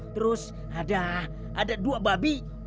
terus ada dua babi